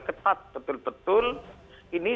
ketat betul betul ini